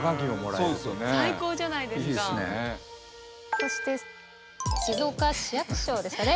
そして静岡市役所ですかね。